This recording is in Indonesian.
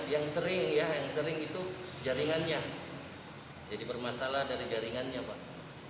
yang sering itu jaringannya jadi bermasalah dari jaringannya pak